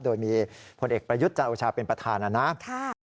โดยมีผลเอกประยุทธ์จานอุชาเป็นประธานนะครับนะครับค่ะ